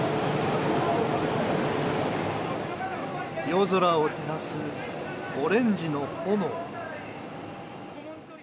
夜空を照らすオレンジの炎。